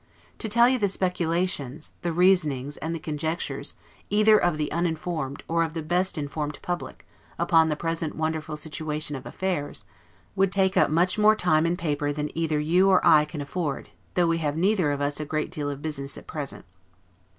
To tell you the speculations, the reasonings, and the conjectures, either of the uninformed, or even of the best informed public, upon the present wonderful situation of affairs, would take up much more time and paper than either you or I can afford, though we have neither of us a great deal of business at present.